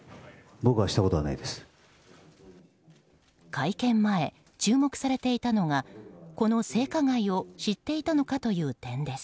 会見前、注目されていたのがこの性加害を知っていたのかという点です。